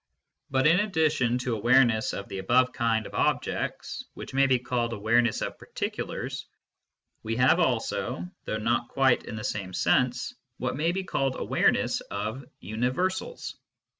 But, in addition to awareness of the above kind of objects, which may be called awareness of particulars), we have also (though not quite in the same sense) what may be called awarenessoL universals.